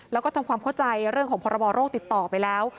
และทำความเข้าใจเรื่องประวัติโรคติดต่อไปแล้ว